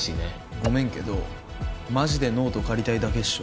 ごめんけどマジでノート借りたいだけっしょ。